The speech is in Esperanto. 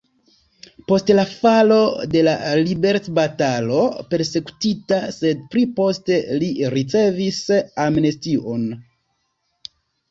Post la falo de liberecbatalo persekutita, sed pli poste li ricevis amnestion.